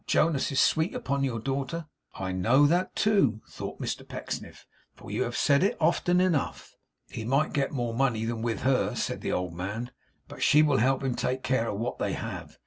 Jonas is sweet upon your daughter.' 'I know that too,' thought Mr Pecksniff, 'for you have said it often enough.' 'He might get more money than with her,' said the old man, 'but she will help him to take care of what they have.